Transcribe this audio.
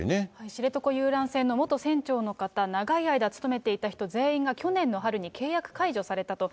知床遊覧船の元船長の方、長い間勤めていた人全員が去年の春に契約解除されたと。